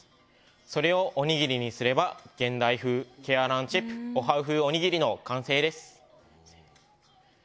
それをおにぎりにすれば現代風ケアランチェプオハウ風おにぎりの完成です。